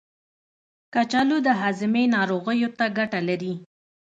کچالو د هاضمې ناروغیو ته ګټه لري.